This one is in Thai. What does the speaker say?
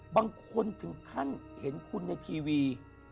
บางคนถึงขั้นเห็นคุณในทีวี